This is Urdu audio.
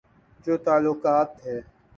جو تعلقات تھے۔